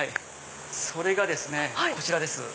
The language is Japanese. それがですねこちらです。